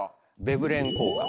ヴェブレン効果？